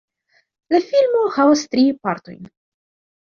La filmo havas tri partojn.